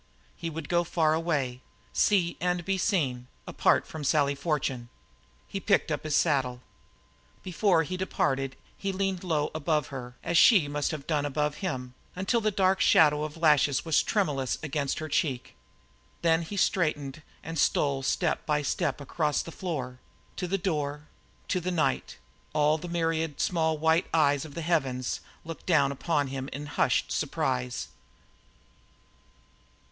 He would go far away see and be seen apart from Sally Fortune. He picked up his saddle. Before he departed he leaned low above her as she must have done above him, until the dark shadow of lashes was tremulous against her cheek. Then he straightened and stole step by step across the floor, to the door, to the night; all the myriad small white eyes of the heavens looked down to him in hushed surprise.